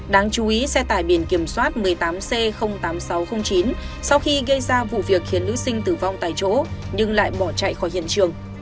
đáng chú ý xe tải biển kiểm soát một mươi tám c tám nghìn sáu trăm linh chín sau khi gây ra vụ việc khiến nữ sinh tử vong tại chỗ nhưng lại bỏ chạy khỏi hiện trường